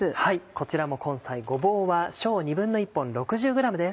こちらも根菜ごぼうは小１／２本６０ｇです。